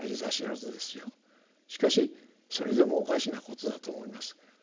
しかしそれでもおかしなことだと思います。